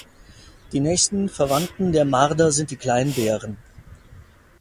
Die nächsten Verwandten der Marder sind die Kleinbären.